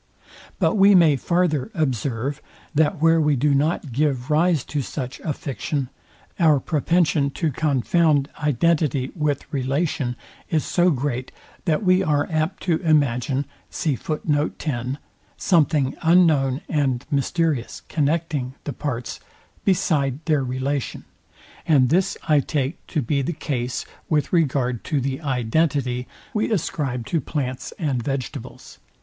But we may farther observe, that where we do not give rise to such a fiction, our propension to confound identity with relation is so great, that we are apt to imagine something unknown and mysterious, connecting the parts, beside their relation; and this I take to be the case with regard to the identity we ascribe to plants and vegetables.